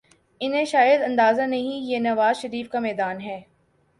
انہیں شاید اندازہ نہیں یہ نواز شریف کا میدان ہے۔